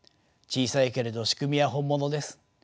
小さいけれど仕組みは本物です。